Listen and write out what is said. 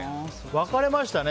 分かれましたね